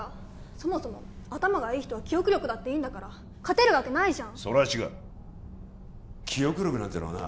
そもそも頭がいい人は記憶力だっていいんだから勝てるわけないじゃんそれは違う記憶力なんてのはな